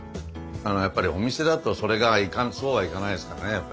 やっぱりお店だとそれがそうはいかないですからねやっぱり。